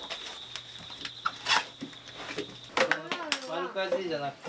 丸かじりじゃなくて。